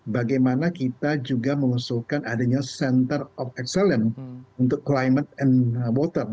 bagaimana kita juga mengusulkan adanya center of excellence untuk climate and water